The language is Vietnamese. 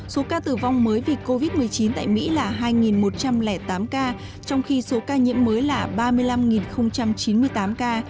số ca tử vong mới vì covid một mươi chín tại mỹ là hai một trăm linh tám ca trong khi số ca nhiễm mới là ba mươi năm chín mươi tám ca